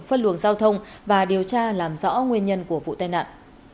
phân luồng giao thông và điều tra làm rõ nguyên nhân của vụ tai nạn